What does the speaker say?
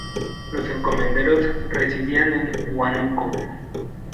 Los encomenderos residían en Huánuco.